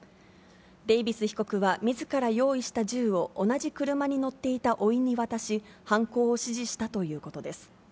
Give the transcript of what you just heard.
デイビス被告はみずから用意した銃を同じ車に乗っていたおいに渡し、犯行を指示したということです。